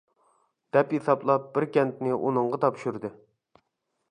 دەپ ھېسابلاپ بىر كەنتنى ئۇنىڭغا تاپشۇردى.